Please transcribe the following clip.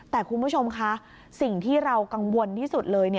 แต่คุณผู้ชมคะสิ่งที่เรากังวลที่สุดเลย